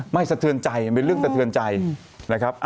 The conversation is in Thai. สะเทือนใจมันเป็นเรื่องสะเทือนใจนะครับ